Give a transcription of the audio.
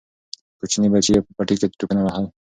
کوچني بچي یې په پټي کې ټوپونه وهل.